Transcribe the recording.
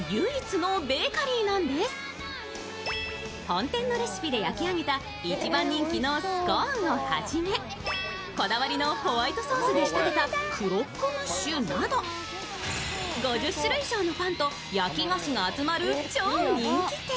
本店のレシピで焼き上げた一番人気のスコーンをはじめこだわりのホワイトソースで仕立てたクロックムッシュなど５０種類以上のパンと焼き菓子が集まる超人気店。